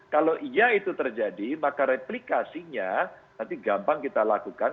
kalau iya itu terjadi maka replikasinya nanti gampang kita lakukan